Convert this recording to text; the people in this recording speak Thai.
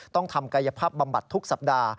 ต้องทำกายภาพบำบัดทุกสัปดาห์